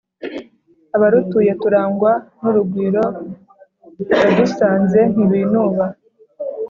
Abarutuye turangwa n'urugwiro, abadusanze ntibinuba